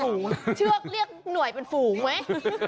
เชือกเรียกหน่วยเป็นฝูงไหม